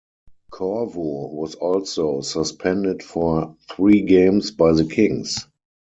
Corvo was also suspended for three games by the Kings.